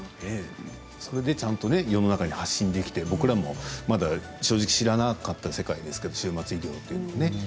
それでちゃんとね世の中に発信できて、僕らもまだ正直知らなかった世界ですけど終末医療というのもね。